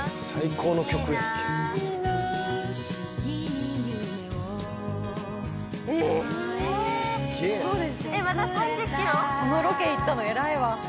このロケ行ったの偉いわ。